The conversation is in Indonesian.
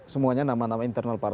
semuanya nama nama internal partai